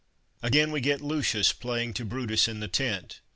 " Again, we get Lucius playing to Brutus in the tent.